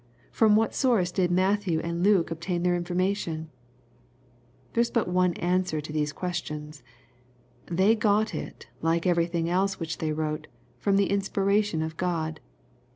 From what source did Matthew and / Luke obtain their information ?— There is but one answer to these j questions. They got it, like everything else which they wrote^ 1 from the inspiration of God.